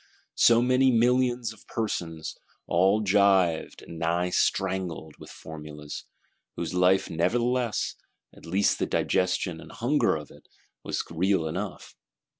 So many millions of persons, all gyved, and nigh strangled, with formulas; whose Life nevertheless, at least the digestion and hunger of it, was real enough!